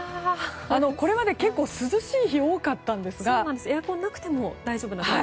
これまでは涼しい日が多かったんですがエアコンがなくても大丈夫でしたね。